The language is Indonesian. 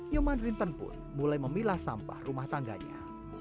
nyoman rinton pun mulai memilah sampah rumah tangganya